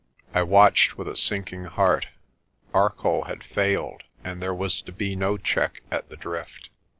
I watched with a sinking heart. Arcoll had failed and there was to be no check at the drift.